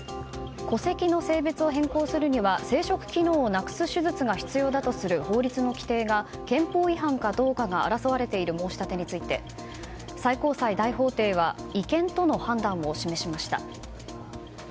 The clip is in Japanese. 戸籍の性別を変更するには生殖機能をなくす手術が必要だとする法律の規定が憲法違反かどうかが争われている申し立てについて最高裁大法廷は違憲との判断を示しました。